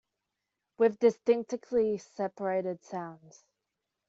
With distinctly separated sounds.